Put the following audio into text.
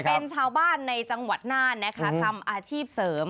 เป็นชาวบ้านในจังหวัดน่านนะคะทำอาชีพเสริม